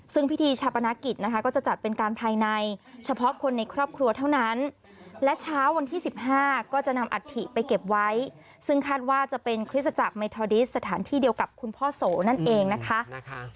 ซึ่งพิธีชาปนกิจนะคะก็จะจัดเป็นการภายในเฉพาะคนในครอบครัวเท่านั้นและเช้าวันที่๑๕ก็จะนำอัฐิไปเก็บไว้ซึ่งคาดว่าจะเป็นคริสตจักรเมทอดิสสถานที่เดียวกับคุณพ่อโสนั่นเองนะคะ